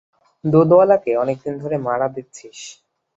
দুধওয়ালাকে অনেকদিন ধরে মারা দিচ্ছিস।